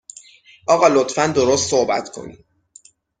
آقا لطفاً درست صحبت کنین